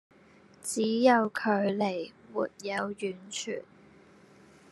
只有距離沒有遠傳